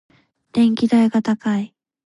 電気代が高い。